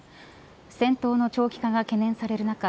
戦闘の長期化が懸念される中